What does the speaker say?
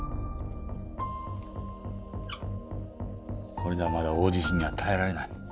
これではまだ大地震には耐えられない。